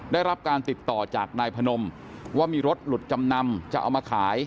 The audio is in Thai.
ได้รับการติดต่อจากนายพนมว่ามีรถหลุดจำนำจะเอามาขาย